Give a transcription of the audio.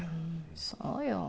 そうよ